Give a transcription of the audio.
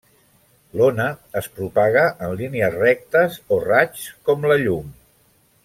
L'ona es propaga en línies rectes o raigs, com la llum.